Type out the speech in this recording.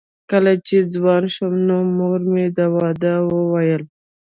کله چې ځوان شوم نو مور مې د واده وویل